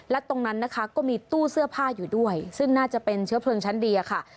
และตรงนั้นนะคะก็มีตู้เสื้อผ้าอยู่ด้วยซึ่งน่าจะเป็นเชื้อเพลิงชั้นดีอะค่ะ